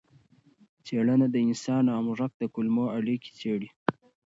څېړنه د انسان او موږک د کولمو اړیکې څېړي.